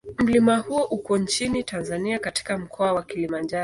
Mlima huo uko nchini Tanzania katika Mkoa wa Kilimanjaro.